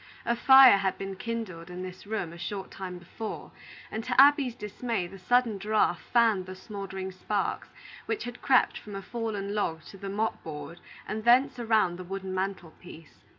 A fire had been kindled in this room a short time before, and, to Abby's dismay, the sudden draught fanned the smouldering sparks which had crept from a fallen log to the mop board and thence around the wooden mantel piece.